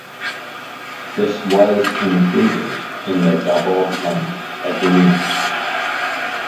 This was included in the Double Tenth Agreement.